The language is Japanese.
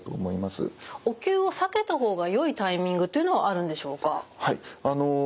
お灸を避けた方がよいタイミングというのはあるんでしょうか？